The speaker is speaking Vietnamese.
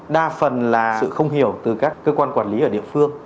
đa phần là sự không hiểu từ các cơ quan quản lý ở địa phương